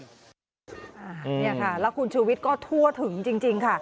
นี่ค่ะแล้วคุณชูวิทย์ก็ทั่วถึงจริงค่ะ